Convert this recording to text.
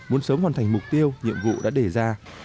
muốn sớm hoàn thành mục tiêu nhiệm vụ đã đề ra